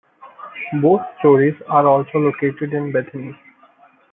Both stories are also located in Bethany.